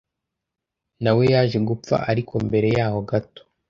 na we yaje gupfa ariko mbere yaho gto